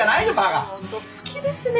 本当好きですね